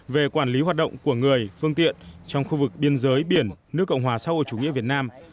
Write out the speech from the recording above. về quản lý hoạt động của người phương tiện trong khu vực biên giới biển nước cộng hòa xã hội chủ nghĩa việt nam